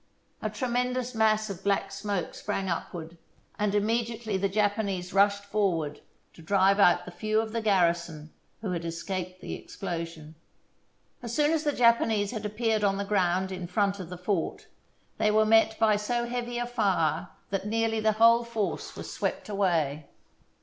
A tremendous mass of black smoke sprang upward, and immediately the Japanese rushed forward to drive out the few of the garrison who escaped the explosion. As soon as the Japanese had appeared on the ground in front of the fort they were met by so heavy a fire that nearly the whole force was swept away.